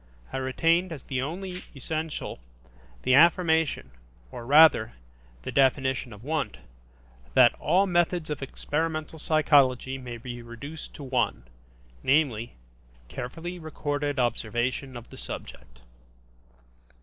I retained as the only essential, the affirmation, or, rather, the definition of Wundt, that "all methods of experimental psychology may be reduced to one, namely, carefully recorded observation of the subject".